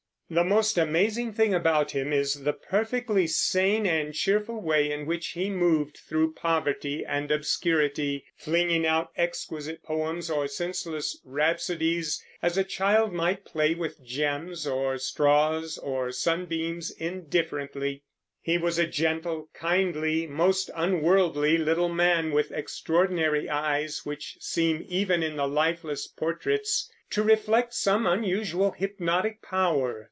The most amazing thing about him is the perfectly sane and cheerful way in which he moved through poverty and obscurity, flinging out exquisite poems or senseless rhapsodies, as a child might play with gems or straws or sunbeams indifferently. He was a gentle, kindly, most unworldly little man, with extraordinary eyes, which seem even in the lifeless portraits to reflect some unusual hypnotic power.